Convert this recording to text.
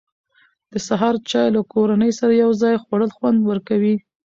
د سهار چای له کورنۍ سره یو ځای خوړل خوند ورکوي.